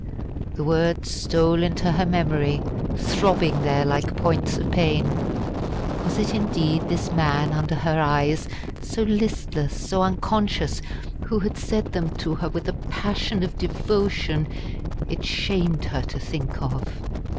_" The words stole into her memory, throbbing there like points of pain. Was it indeed this man under her eyes so listless, so unconscious who had said them to her with a passion of devotion it shamed her to think of.